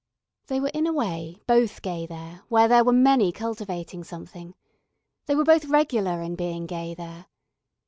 They were in a way both gay there where there were many cultivating something. They were both regular in being gay there.